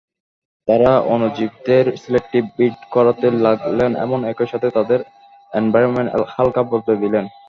তারা অণুজীবদের selective breed করাতে লাগলেন এবং একই সাথে তাদের এনভায়রনমেন্ট হালকা বদলে দিলেন।